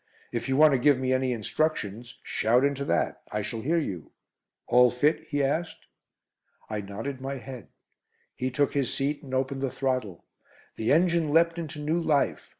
If you want to give me any instructions shout into that. I shall hear you. All fit?" he asked. I nodded my head. He took his seat, and opened the throttle. The engine leapt into new life.